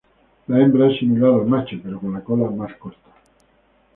La hembra es similar al macho, pero con la cola más corta.